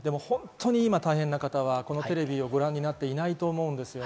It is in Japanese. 今大変な方はテレビをご覧になっていないと思うんです。